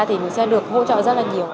thì mình sẽ được hỗ trợ rất là nhiều